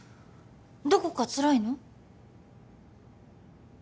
どこかつらいの？